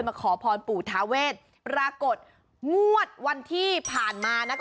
มาขอพรปุธาเวสประกดงวดวันที่ผ่านมานะ